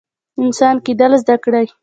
انسان کیدل زده کړئ